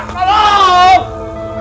buka pintu nak